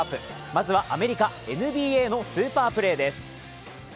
まずはアメリカ、ＮＢＡのスーパープレーです。